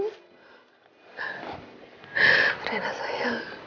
udah enak sayang